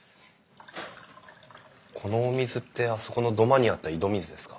このお水ってあそこの土間にあった井戸水ですか？